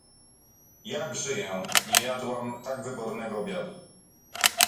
"„Jak żyję, nie jadłam tak wybornego obiadu!"